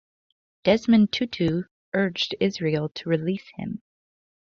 Desmond Tutu urged Israel to release him.